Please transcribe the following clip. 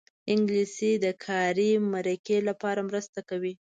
انګلیسي د کاري مرکې لپاره مرسته کوي